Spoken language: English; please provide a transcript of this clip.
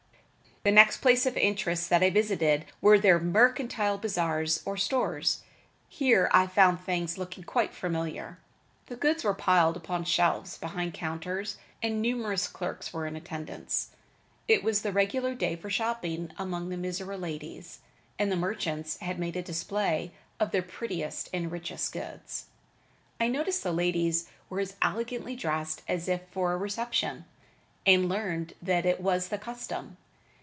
The next place of interest that I visited were their mercantile bazars or stores. Here I found things looking quite familiar. The goods were piled upon shelves behind counters, and numerous clerks were in attendance. It was the regular day for shopping among the Mizora ladies, and the merchants had made a display of their prettiest and richest goods. I noticed the ladies were as elegantly dressed as if for a reception, and learned that it was the custom.